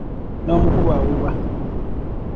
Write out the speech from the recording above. N'omukulu awubwa.